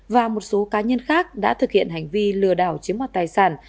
và một số cá nhân khác đã thực hiện hành vi lừa đảo chiếm hoạt tài sản